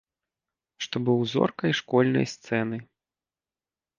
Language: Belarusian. Што быў зоркай школьнай сцэны.